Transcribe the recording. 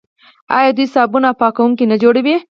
آیا دوی صابون او پاکوونکي نه جوړوي؟